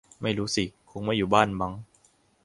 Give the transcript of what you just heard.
ไม่รู้สิ คงไม่อยู่บ้านมั้ง